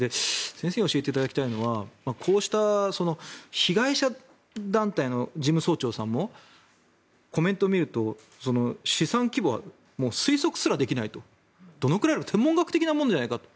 先生に教えていただきたいのはこうした被害者団体の事務総長さんもコメントを見ると資産規模は推測すらできないとどのくらいの天文学的なものじゃないかと。